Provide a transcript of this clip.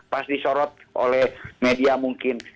pas disorot oleh media mungkin